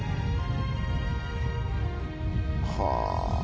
「はあ」